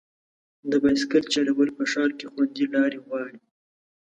د بایسکل چلول په ښار کې خوندي لارې غواړي.